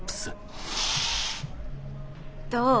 どう？